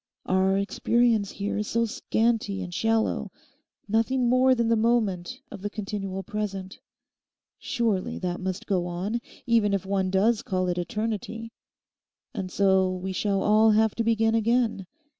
Our experience here is so scanty and shallow—nothing more than the moment of the continual present. Surely that must go on, even if one does call it eternity. And so we shall all have to begin again.